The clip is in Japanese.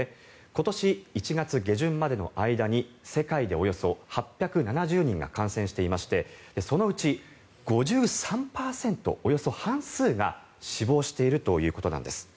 今年１月下旬までの間に世界でおよそ８７０人が感染していましてそのうち５３％、およそ半数が死亡しているということなんです。